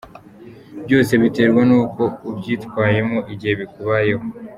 Byose biterwa n’uko ubyitwayemo igihe bikubayeho”.